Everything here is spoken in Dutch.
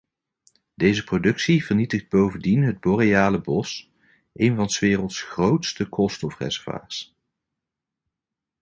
Deze productie vernietigt bovendien het boreale bos, een van 's werelds grootste koolstofreservoirs.